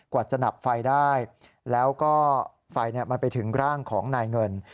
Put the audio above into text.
กว่าจะดับไฟได้แล้วก็ไฟมันไปถึงร่างของนายเงิน